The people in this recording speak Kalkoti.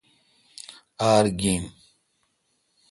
آر گین۔